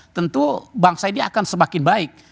tentu bangsa ini akan semakin baik